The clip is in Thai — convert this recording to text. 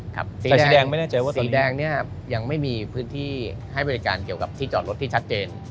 สายสีแดงยังไม่มีพื้นที่ให้บริการเกี่ยวกับที่จอดรถที่ชัดเจน